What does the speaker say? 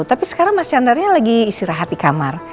tapi sekarang mas chandra lagi istirahat di kamar